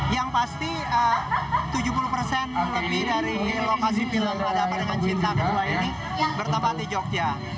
yang pasti tujuh puluh persen lebih dari lokasi film ada apa dengan cinta dua ini bertempat di yogyakarta